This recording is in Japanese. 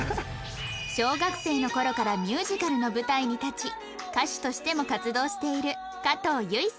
小学生の頃からミュージカルの舞台に立ち歌手としても活動しているかとう唯さん